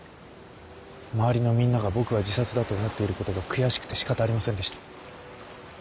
周りのみんなが僕は自殺だと思っていることが悔しくてしかたありませんでした。